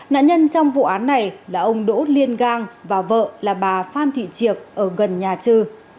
nạn nhân trong vụ án này là ông đỗ liên gang và vợ là bà phan thị triệc ở gần nhà trừ